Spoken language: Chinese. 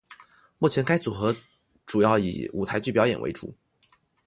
目前该组合主要以舞台剧表演为主。